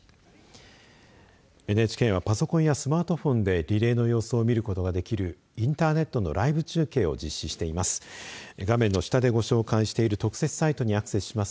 ＮＨＫはパソコンやスマートフォンでリレーの様子を見ることができるインターネットのライブ中継を実施しています。